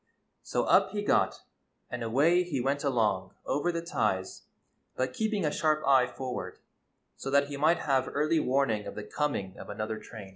So up he got, and away he went along over the ties, but keeping a sharp eye forward so that he might have early warning of the coming of another train.